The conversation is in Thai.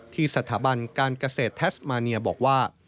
สถาบันการเกษตรแทสมาเนียบอกว่า